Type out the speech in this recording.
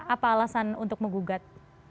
apa alasan untuk menggugat